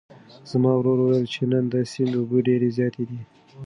زما ورور وویل چې نن د سیند اوبه ډېرې زیاتې دي.